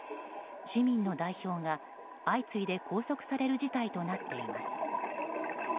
市民の代表が相次いで拘束される事態となっています。